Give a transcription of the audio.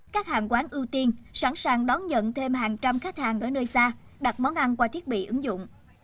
các hàng quán ưu tiên sẵn sàng đón nhận thêm hàng trăm khách hàng ở nơi xa đặt món ăn qua thiết bị ứng dụng